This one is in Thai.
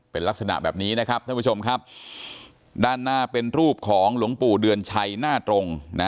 เป็นลักษณะแบบนี้นะครับท่านผู้ชมครับด้านหน้าเป็นรูปของหลวงปู่เดือนชัยหน้าตรง